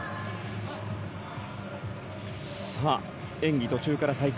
さあ、演技途中から再開。